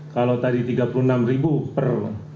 kalau tadi tiga puluh enam per